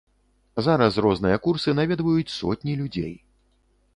Зараз розныя курсы наведваюць сотні людзей.